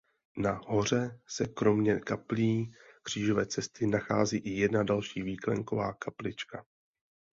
Na hoře se kromě kaplí křížové cesty nachází i jedna další výklenková kaplička.